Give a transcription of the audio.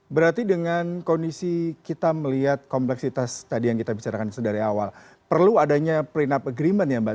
berarti dengan kondisi kita melihat kompleksitas tadi yang kita bicarakan dari awal perlu adanya prent up agreement ya mbak